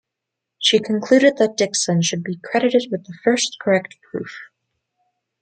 She concluded that Dickson should be credited with the first correct proof.